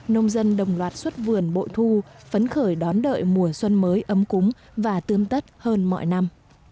nông dân đồng loạt xuất vườn bội thu phấn khởi đón đợi mùa xuân mới ấm cúng và tươm tất hơn mọi năm